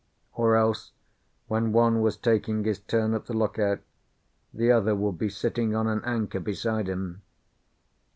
Or else, when one was taking his turn at the lookout, the other would be sitting on an anchor beside him.